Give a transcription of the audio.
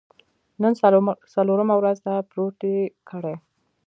نن څلورمه ورځ ده، پروت یې کړی.